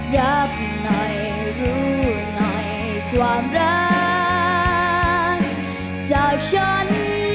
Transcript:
รับหน่อยรู้หน่อยความรักจากฉัน